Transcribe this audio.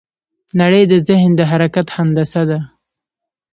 نړۍ د ذهن د حرکت هندسه ده.